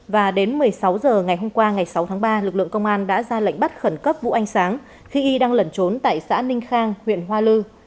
và đến một mươi sáu h ngày hôm qua ngày sáu tháng ba lực lượng công an đã ra lệnh bắt khẩn cấp vũ anh sáng khi y đang lẩn trốn tại xã ninh khang huyện hoa lư